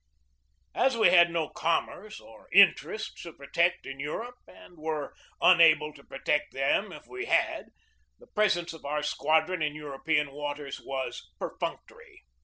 As we had no commerce or interests to protect in Europe, and were unable to protect them if we had, the presence of our squadron in European waters was perfunctory.